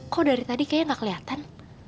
kok dari tadi kayaknya gak kelihatan